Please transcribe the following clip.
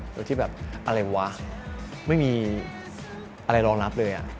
โดยที่แบบอะไรวะไม่มีอะไรรองรับเลย